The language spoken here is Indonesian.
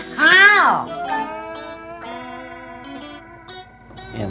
bayar listriknya mahal